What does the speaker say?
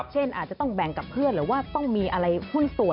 เช่นอาจจะต้องแบ่งกับเพื่อนหรือว่าต้องมีอะไรหุ้นส่วน